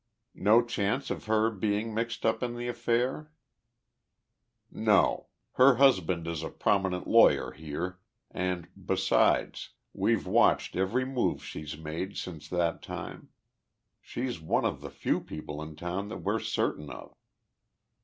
"No chance of her being mixed up in the affair?" "No. Her husband is a prominent lawyer here, and, besides, we've watched every move she's made since that time. She's one of the few people in town that we're certain of."